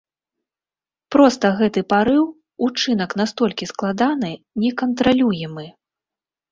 Проста гэты парыў, учынак настолькі складаны, некантралюемы.